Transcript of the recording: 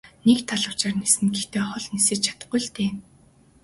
Нэг далавчаар ниснэ гэхдээ хол нисэж чадахгүй л дээ.